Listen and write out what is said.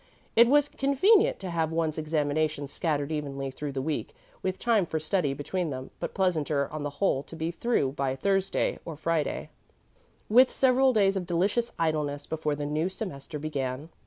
It was convenient to have one's examinations scattered evenly through the week with time for study between them, but pleasanter on the whole to be through by Thursday or Friday, with several days of delicious idleness before the new semester began.